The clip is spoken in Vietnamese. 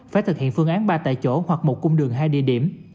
phải thực hiện phương án ba tại chỗ hoặc một cung đường hai địa điểm